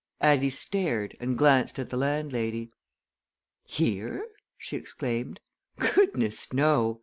Addie stared and glanced at the landlady. "Here?" she exclaimed. "Goodness, no!